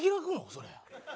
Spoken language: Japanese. それ。